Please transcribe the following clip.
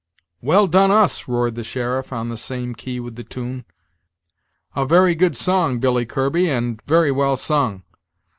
"Well done us!" roared the sheriff, on the same key with the tune; "a very good song, Billy Kirby, and very well sung.